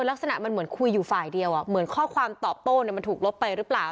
ลักษณะมันเหมือนคุยอยู่ฝ่ายเดียวเหมือนข้อความตอบโต้มันถูกลบไปหรือเปล่า